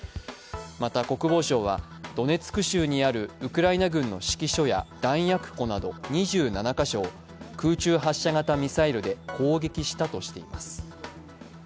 また、国防省は、ドネツク州にあるウクライナ軍の指揮所や弾薬庫など２７カ所を空中発射型ミサイルで攻撃したとしています。